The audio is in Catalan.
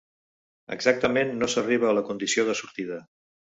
Exactament, no s'arriba a la condició de sortida.